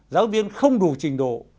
giáo viên không đủ trình độ